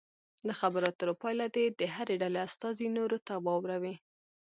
د خبرو اترو پایله دې د هرې ډلې استازي نورو ته واوروي.